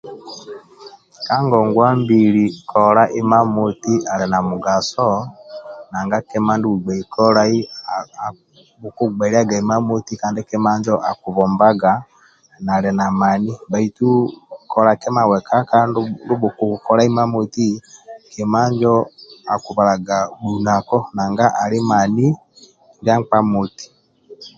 kangongwambili kolilya imamoti ali na mugaso nanga kima ndyo bugbei kolai buku gbeliyaga imamoti kandi kima injo akibhombaga nali na mani baitu kola kima wekaka ndibukukoli imamoti kima injo akibalaga bunako nanga ali mani ndia nkpa moti